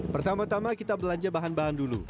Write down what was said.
pertama tama kita belanja bahan bahan dulu